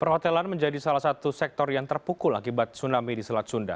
perhotelan menjadi salah satu sektor yang terpukul akibat tsunami di selat sunda